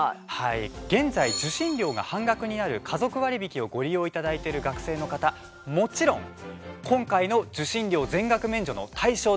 現在、受信料が半額になる家族割引をご利用いただいている学生の方、もちろん今回の受信料全額免除の対象です。